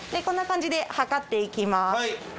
こんな感じで量っていきます。